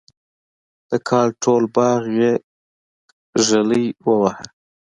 د کال ټول باغ یې ګلي وواهه.